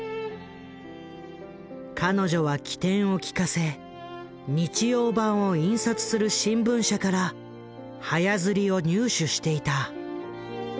彼女は機転を利かせ日曜版を印刷する新聞社から早刷りを入手していた。